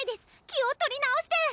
気を取り直して！